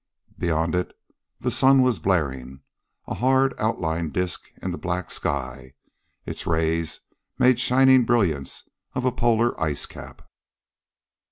Beyond it the sun was blaring, a hard outlined disc in the black sky. Its rays made shining brilliance of a polar ice cap.